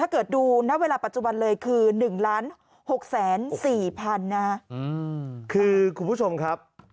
คือคุณผู้ชมครับ